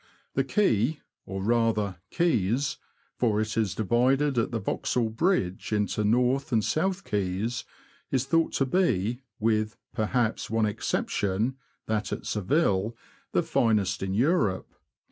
The Quay — or, rather, quays, for it is divided at the Vauxhall Bridge into North and South Quays — is thought to be, with, perhaps, one exception (that at Seville), the finest in Europe.